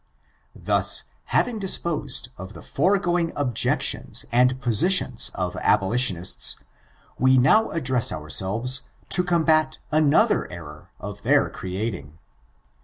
Thus, having disposed of the fore going objections and positions of abolitionists, we now address oursdf to combat another error of theit cre ating.